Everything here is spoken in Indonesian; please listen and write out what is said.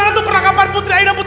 lalu lupa ditanyain lagi